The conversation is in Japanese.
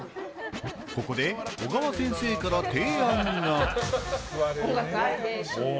ここで小川先生から提案が。